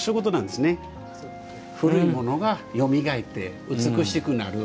古いものがよみがえって美しくなる。